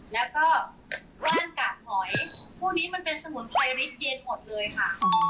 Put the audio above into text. แล้วก็เบื้องกัดหอยพวกนี้มันเป็นสมุนไพริษเย็นหมดเลยค่ะ